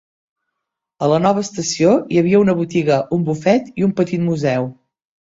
A la nova estació hi havia una botiga, un bufet i un petit museu.